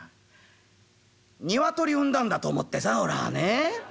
ニワトリ産んだんだと思ってさ俺はね。